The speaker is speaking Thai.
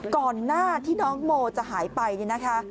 ก่อนหน้าที่น้องโมจะหายไปเนี่ยนะคะ